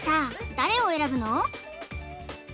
誰を選ぶの？